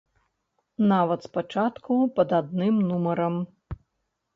Нават спачатку пад адным нумарам.